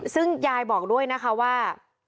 ซึ่งยายบอกด้วยนะคะว่า